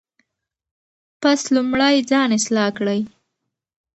پس لومړی ځان اصلاح کړئ.